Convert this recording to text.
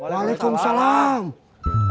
moms udah kembali ke tempat yang sama